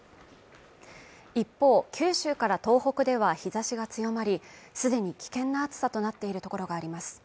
一方、九州から東北では日差しが強まりすでに危険な暑さとなっているところがあります